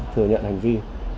thừa nhận hành vi